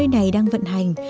nơi này đang vận hành